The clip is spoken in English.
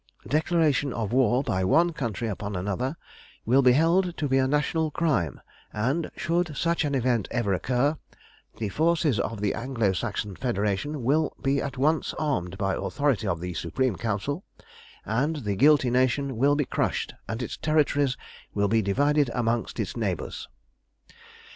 Declaration of war by one country upon another will be held to be a national crime, and, should such an event ever occur, the forces of the Anglo Saxon Federation will be at once armed by authority of the Supreme Council, and the guilty nation will be crushed and its territories will be divided among its neighbours.